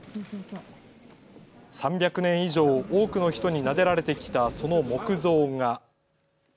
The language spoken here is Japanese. ３００年以上、多くの人になでられてきたその木像が。